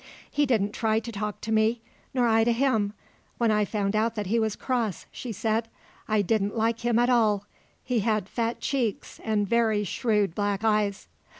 "He didn't try to talk to me; nor I to him, when I found that he was cross," she said. "I didn't like him at all. He had fat cheeks and very shrewd black eyes."